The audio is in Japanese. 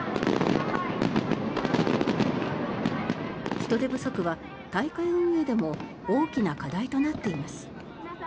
人手不足は大会運営でも大きな課題となっています。